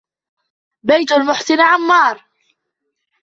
بيت المحسن عمار.